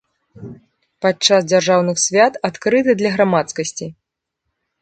Падчас дзяржаўных свят адкрыты для грамадскасці.